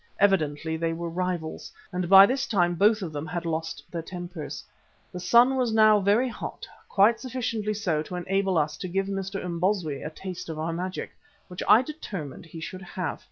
Evidently they were rivals, and by this time both of them had lost their tempers. The sun was now very hot, quite sufficiently so to enable us to give Mr. Imbozwi a taste of our magic, which I determined he should have.